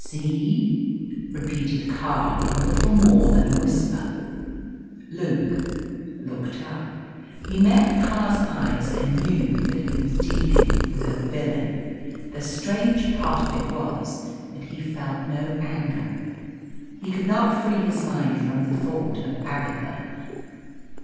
"See?" repeated Carr, in little more than a whisper. Luke looked up. He met Carr's eyes and knew that he was dealing with a villain. The strange part of it was that he felt no anger. He could not free his mind from the thought of Agatha.